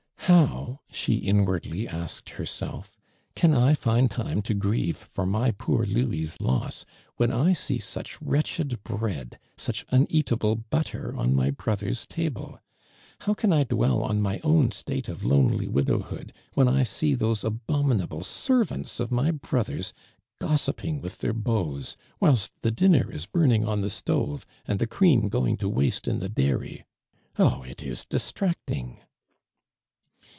" llow," she inwardly asked herself, " can I find time to grieve for my poor I^ouis' loss, when I see such wretched bread, sucli un eatable butter on my brother's table ? How can I dwell on my own state of lonely wklowliooil, when I see those abominable servants of my brothers gossipping with tlieir beaux, whilst the dinner is burning on the stove and the cream going to waste in the dairy. Oh, it is distracting